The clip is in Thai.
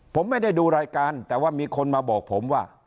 ผมไม่ได้ดูรายการแต่ว่ามีคนมาบอกผมว่า